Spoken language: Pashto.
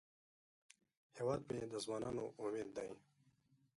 هیواد مې د ځوانانو امید دی